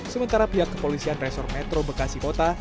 sementara pihak kepolisian resor metro bekasi kota